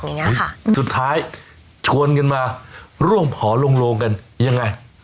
อย่างเงี้ยค่ะสุดท้ายชวนกันมาร่วมขอลงโลงกันยังไง